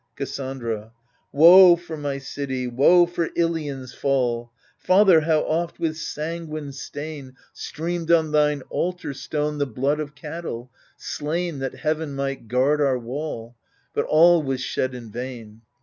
Cassandra Woe for my city, woe for I lion's fall ! Father, how oft with sanguine stain AGAMEMNON 53 Streamed on thine altar stone the blood of cattle, slain That heaven might guard our wall 1 But all was shed in vain.